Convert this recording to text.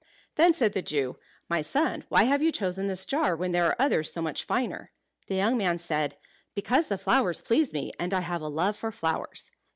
Then said the Jew, "My son, why have you chosen this jar, when there are others so much finer?" The young man said, "Because the flowers please me, and I have a love for flowers."